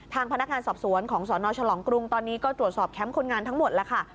พนักงานสอบสวนของสนฉลองกรุงตอนนี้ก็ตรวจสอบแคมป์คนงานทั้งหมดแล้วค่ะ